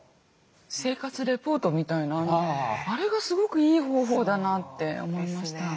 生活レポートみたいなあれがすごくいい方法だなって思いました。